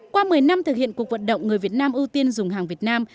qua một mươi năm thực hiện cuộc vận động người việt nam ưu tiên dùng hàng việt nam